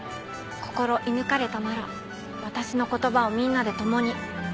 心射抜かれたなら私の言葉をみんなで共に。